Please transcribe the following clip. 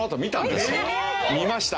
見ました。